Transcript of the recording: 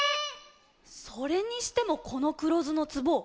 それにしてもこのくろずのつぼ